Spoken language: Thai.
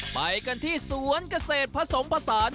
ไปกันที่สวนเกษตรผสมผสาน